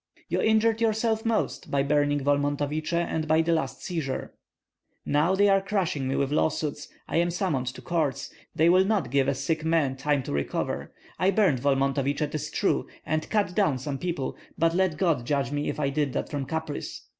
"You injured yourself most by burning Volmontovichi, and by the last seizure." "Now they are crushing me with lawsuits. I am summoned to courts. They will not give a sick man time to recover. I burned Volmontovichi, 'tis true, and cut down some people; but let God judge me if I did that from caprice.